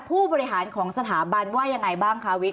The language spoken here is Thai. ผู้บริหารของสถาบันว่ายังไงบ้างคะวิก